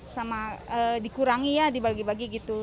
sama dikurangi ya dibagi bagi gitu